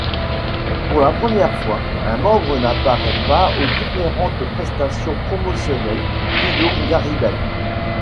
Pour la première fois, un membre n'apparaît pas aux différentes prestations promotionnelles: Guillaume Garidel.